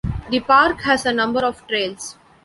The park has a number of trails.